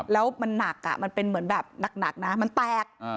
แล้วมันหนักมันเป็นเหมือนแบบหนักนะมันแตก